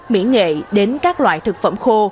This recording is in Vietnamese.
mỹ nghệ đến các loại thực phẩm khô